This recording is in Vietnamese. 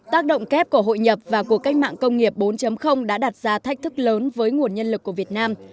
tác động kép của hội nhập và cuộc cách mạng công nghiệp bốn đã đặt ra thách thức lớn với nguồn nhân lực của việt nam